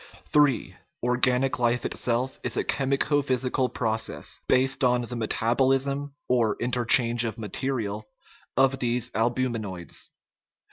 III. Organic life itself is a chemico physical proc ess, based on the metabolism (or interchange of mate rial) of these albuminates.